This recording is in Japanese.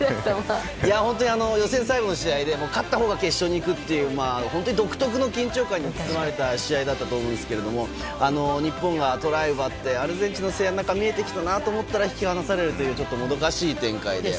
本当に、予選最後の試合で勝ったほうが決勝に行くっていう独特の緊張感に包まれた試合だったと思うんですけど日本がトライを奪ってアルゼンチンの背中が見えてきたなと思ったら引き離されるというもどかしい展開で。